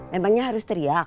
memangnya harus teriak